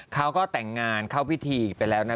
เขาก็แต่งงานเข้าพิธีไปแล้วนะ